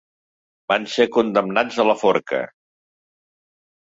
Van ser condemnats a la forca.